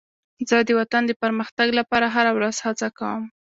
زه د وطن د پرمختګ لپاره هره ورځ هڅه کوم.